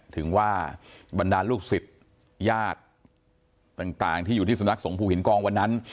ถึงว่าบรรดาลูกศิษย์ญาติต่างที่อยู่ที่สำนักสงภูหินกองวันนั้น